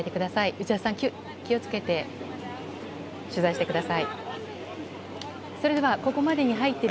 内田さん気をつけて取材してください。